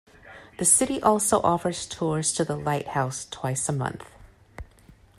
The city also offers tours to the lighthouse twice a month.